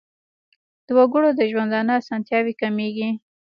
د وګړو د ژوندانه اسانتیاوې کمیږي.